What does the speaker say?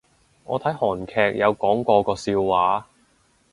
我睇韓劇有講過個笑話